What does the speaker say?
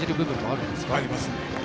ありますね。